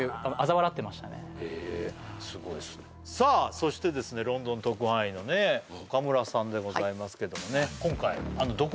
そしてロンドン特派員の岡村さんでございます。